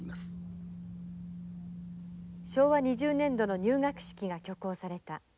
「昭和２０年度の入学式が挙行された。